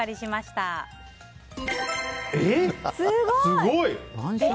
すごい！